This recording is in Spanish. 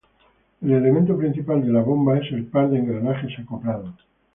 El elemento principal de la bomba es el par de engranajes acoplados.